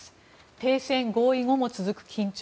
停戦合意後も続く緊張。